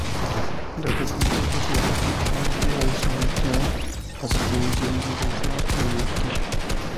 La red Gnutella sería una alternativa descentralizada, a sistemas semi-centralizados como Napster.